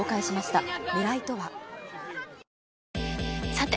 さて！